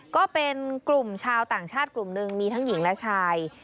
ก็เป็นกลุ่มชาวต่างชาติกลุ่มหนึ่งมีทั้งหญิงและชาย